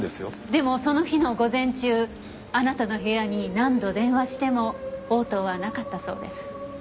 でもその日の午前中あなたの部屋に何度電話しても応答はなかったそうです。